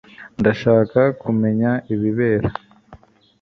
Ndashaka kumenya ibibera